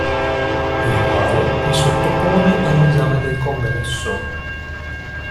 Il quale li sottopone all'esame del Congresso.